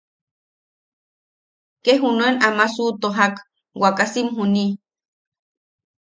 Ke junuen ama suʼutojak waakasim juni.